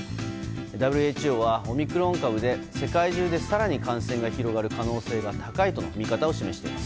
ＷＨＯはオミクロン株で世界中で更に感染が広がる可能性が高いとの見方を示しています。